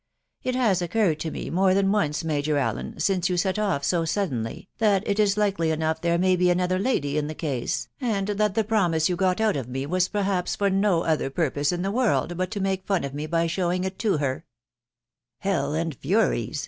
... It has occurred to ma more than once, Major Allen, since you set off so suddenly, mat it is likely enough there may be an other lady in the case, end that the promise you got out of me was perhaps for no other purpose in the world but to make fun of me by showing it to her." 8 * 260 THE WIDOW BARITABT. " Hell and furies